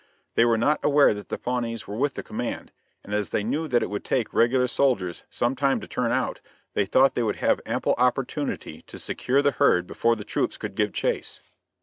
They were not aware that the Pawnees were with the command, and as they knew that it would take regular soldiers sometime to turn out, they thought they would have ample opportunity to secure the herd before the troops could give chase.